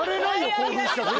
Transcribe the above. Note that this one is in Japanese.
興奮しちゃって。